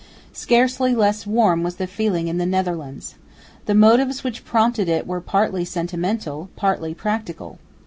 Scarcely less warm was the feeling in the Netherlands. The motives which prompted it were partly sentimental, partly practical.